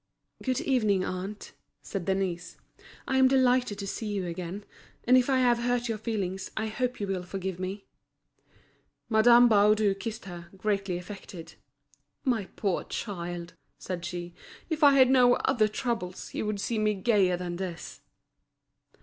"Good evening, aunt," said Denise; "I'm delighted to see you again, and if I have hurt your feelings, I hope you will forgive me." Madame Baudu kissed her, greatly affected. "My poor child," said she, "if I had no other troubles, you would see me gayer than this."